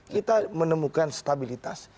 kita menemukan stabilitas